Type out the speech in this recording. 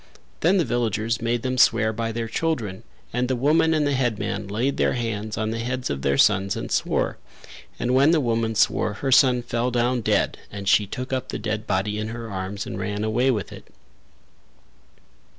Then the villagers made them swear by their children and the woman and the headman laid their hands on the heads of their sons and swore; and when the woman swore her son fell down dead and she took up the dead body in her arms and ran away with it.